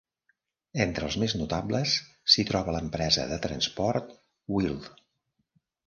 Entre els més notables, s'hi troba l'empresa de transport Wilh.